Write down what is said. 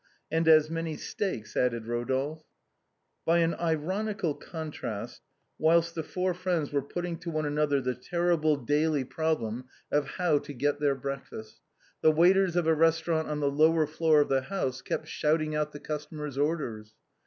"And as many steaks," added Eodolphe. By an ironical contrast, whilst the four friends were put ting to one another the terrible daily problem of how to 250 musette's fancies. 251 get their breakfast^, the waiters of a restaurant on the lower floor of the house kept shouting out the customers' orders.